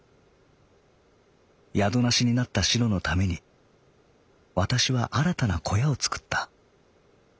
「宿なしになったしろのためにわたしは新たな小屋を作った。